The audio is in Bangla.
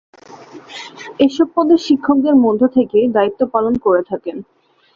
এসব পদে শিক্ষকদের মধ্য থেকেই দায়িত্ব পালন করে থাকেন।